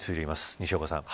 西岡さん。